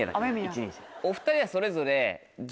お２人はそれぞれ。